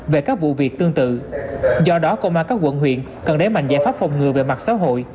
về các vụ việc tương tự do đó công an các quận huyện cần đáy mạnh giải pháp phòng ngừa về mặt xã hội